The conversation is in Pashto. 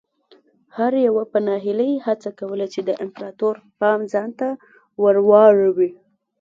هر یوه په ناهیلۍ هڅه کوله چې د امپراتور پام ځان ته ور واړوي.